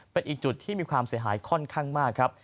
เป็นอีกจุดที่มีความเสียหายค่อนข้างมากครับ